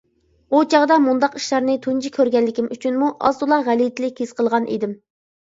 ئۇ چاغدا مۇنداق ئىشلارنى تۇنجى كۆرگەنلىكىم ئۈچۈنمۇ ئاز- تولا غەلىتىلىك ھېس قىلغان ئىدىم.